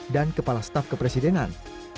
dan kepala staf kepresidenan